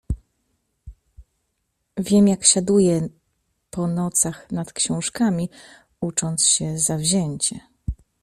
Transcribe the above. Wiem, jak siaduje po nocach nad książkami, ucząc się zawzięcie.